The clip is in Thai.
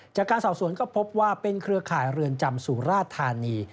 จากการสอบสวนก็พบว่าเป็นเครือข่ายเรือนจำสุราธานี